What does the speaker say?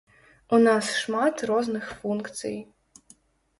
У нас шмат розных функцый.